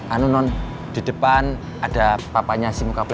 anu non di depan ada papanya si muka beli